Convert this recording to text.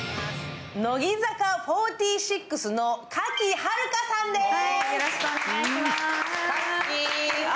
乃木坂４６の賀喜遥香さんです。